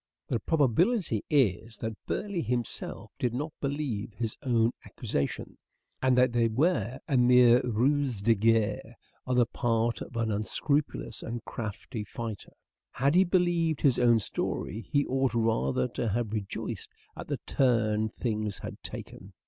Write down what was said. The probability is that Burleigh himself did not believe his own accusations, and that they were a mere ruse de guerre on the part of an unscrupulous and crafty fighter. Had he believed his own story he ought rather to have rejoiced at the turn things had taken.